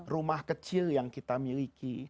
rumah kecil yang kita miliki